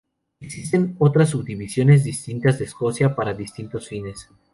Existen otras subdivisiones distintas de Escocia para distintos fines.